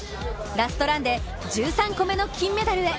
ラストランで１３個目の金メダルへ。